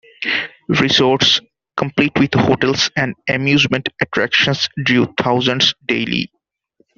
Resorts, complete with hotels and amusement attractions, drew thousands daily.